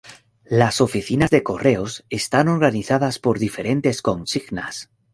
Las oficinas de correos están organizadas por diferentes consignas.